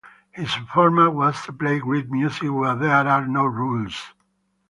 His format was to play great music where there are no rules.